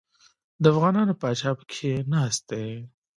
د افغانانو پاچا پکښې ناست دی.